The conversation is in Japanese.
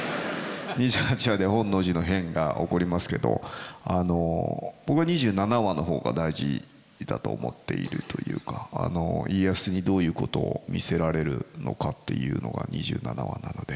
２８話で本能寺の変が起こりますけど僕は２７話の方が大事だと思っているというか家康にどういうことを見せられるのかっていうのが２７話なので。